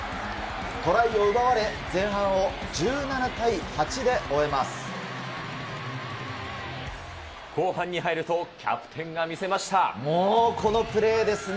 トライを奪われ、後半に入ると、キャプテンがもうこのプレーですね。